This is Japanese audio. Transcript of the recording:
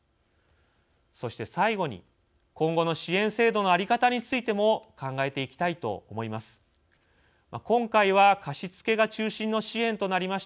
そして最後に今後の支援制度の在り方についても考えていきたいと思います。